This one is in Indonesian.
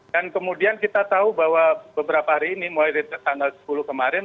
dan kemudian kita tahu bahwa beberapa hari ini mulai dari tanggal sepuluh kemarin